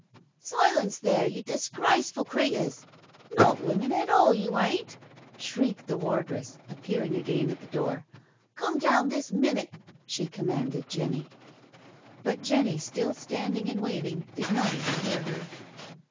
" Silence there, you disgraceful creatures — ^not women at all, you ain't," shrieked the wardress, appearing again at the door. " Come down this minute," she conmianded Jenny. But Jenny, still standing and waving, did not even hear her.